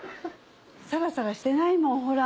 サラサラしてないもんほら。